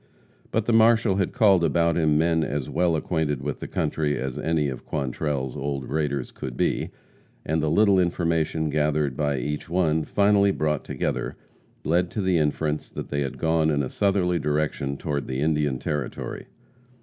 But the marshal had called about him men as well acquainted with the country as any of Quantrell's old raiders could be, and the little information gathered by each one, finally brought together, led to the inference that they had gone in a southerly direction toward the Indian Territory.